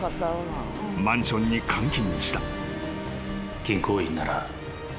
［マンションに監禁した］